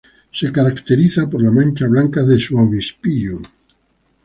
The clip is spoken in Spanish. Se caracteriza por la mancha blanca de su obispillo.